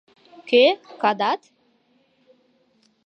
— Кӧ, Кадат?